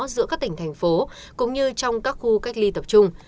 giữa các tỉnh thành phố cũng như trong các khu cách ly tập trung